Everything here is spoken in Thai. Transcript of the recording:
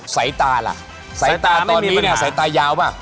ใส่ตาล่ะใส่ตาตอนนี้ใส่ตายาวป่ะ